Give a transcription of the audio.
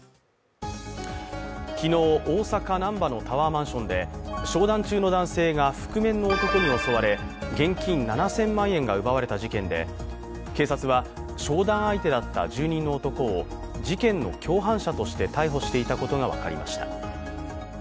昨日大阪・難波のタワーマンションで商談中の男性が覆面の男に襲われ、現金７０００万円が奪われた事件で、警察は商談相手だった住人の男を事件の共犯者として逮捕していたことが分かりました。